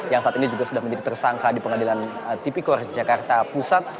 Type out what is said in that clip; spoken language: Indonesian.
yang saat ini juga sudah menjadi tersangka di pengadilan tipikor jakarta pusat